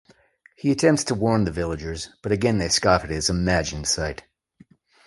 He attempts to warn the villagers, but again they scoff at his "imagined" sight.